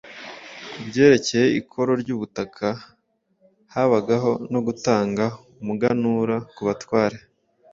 Ku byerekeye ikoro ry'ubutaka habagaho no gutanga umuganura ku batware